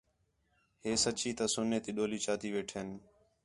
ہِے سچّی تا سنے تی ڈولی چاتی ویٹھین